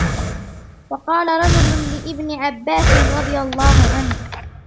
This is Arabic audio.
وَقَالَ رَجُلٌ لِابْنِ عَبَّاسٍ رَضِيَ اللَّهُ عَنْهُ